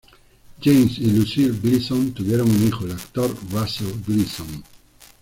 James y Lucile Gleason tuvieron un hijo, el actor Russell Gleason.